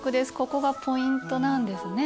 ここがポイントなんですね。